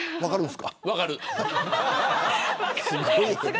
分かる。